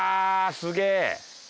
すげえ！